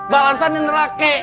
balasan di nerake